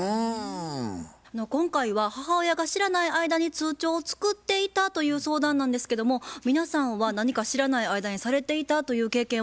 今回は母親が知らない間に通帳を作っていたという相談なんですけども皆さんは何か知らない間にされていたという経験はありますか？